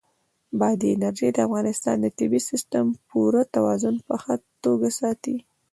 بادي انرژي د افغانستان د طبعي سیسټم پوره توازن په ښه توګه ساتي.